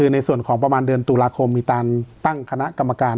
ในส่วนของประมาณเดือนตุลาคมมีการตั้งคณะกรรมการ